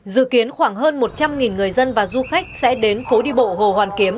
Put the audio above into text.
dự kiến khoảng hơn một trăm linh người dân và du khách sẽ đến phố đi bộ hồ hoàn kiếm